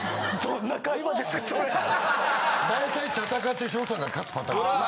大体戦って翔さんが勝つパターンが多い。